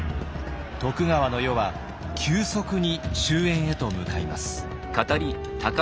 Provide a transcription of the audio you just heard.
徳川の世は急速に終焉へと向かいます。